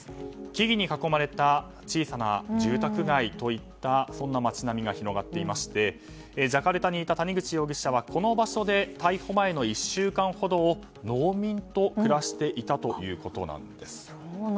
木々に囲まれた小さな住宅街といったそんな街並みが広がっていましてジャカルタにいた谷口容疑者は逮捕前の１週間ほどを農民と暮らしていたということです。